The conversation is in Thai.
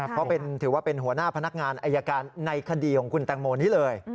เพราะถือว่าเป็นหัวหน้าพนักงานอายการในคดีของคุณแตงโมนี้เลย